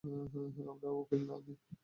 আমরাও উকিল আনি?